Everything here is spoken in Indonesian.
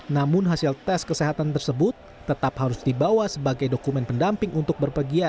namun hasil tes kesehatan tersebut tetap harus dibawa sebagai dokumen pendamping untuk berpergian